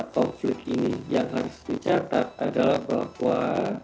konflik ini yang harus dicatat adalah bahwa